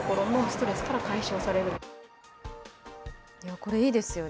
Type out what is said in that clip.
これいいですよね。